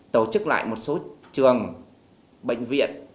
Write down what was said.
tổ chức lại một số trường bệnh viện